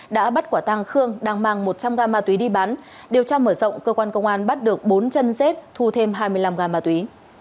đã bắt quả tăng khương đang mang một trăm linh gam ma túy đi bán điều tra mở rộng cơ quan công an bắt được bốn chân rết thu thêm hai mươi năm ga ma túy